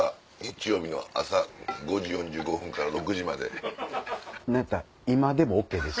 日曜日の朝５時４５分から６時。